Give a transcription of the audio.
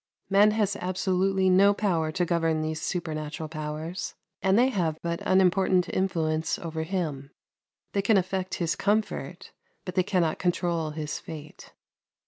Man has absolutely no power to govern these supernatural powers, and they have but unimportant influence over him. They can affect his comfort, but they cannot control his fate.